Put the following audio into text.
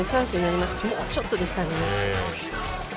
もうちょっとでしたね